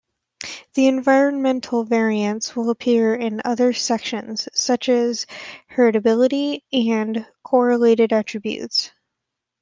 The Environmental variance will appear in other sections, such as "Heritability" and "Correlated attributes".